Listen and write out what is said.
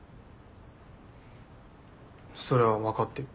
それは分かってる。